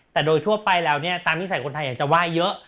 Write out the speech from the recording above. แต่โดยทั่วไปแล้วตามภิกษาคนไทยจะว่ายเยอะ